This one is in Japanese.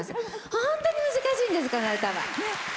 本当に難しいんです、この歌は。